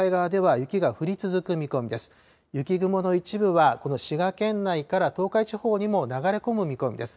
雪雲の一部は、この滋賀県内から東海地方にも流れ込む見込みです。